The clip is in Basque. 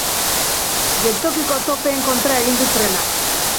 Geltokiko topeen kontra egin du trenak.